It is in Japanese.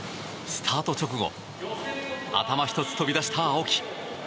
スタート直後頭１つ飛び出した青木。